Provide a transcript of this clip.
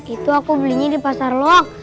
itu aku belinya di pasar lok